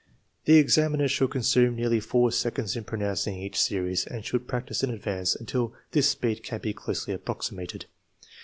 The examiner should consume nearly four seconds in pro nouncing each series, and should practice in advance until this speed can be closely approximated.